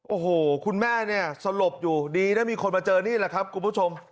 โอ้โหคุณแม่เนี่ยสลบอยู่ดีนะมีคนมาเจอนี่แหละครับคุณผู้ชม